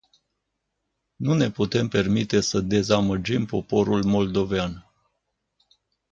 Nu ne putem permite să dezamăgim poporul moldovean.